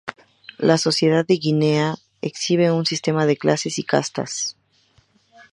La sociedad de Guinea exhibe un sistema de clases y castas.